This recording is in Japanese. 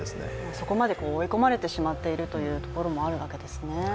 そこまで追い込まれてしまっているというところもあるわけですね。